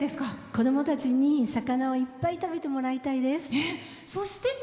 子どもたちに魚をいっぱい食べてもらいたいです。